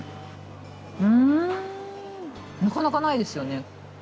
ふんなかなかないですよね。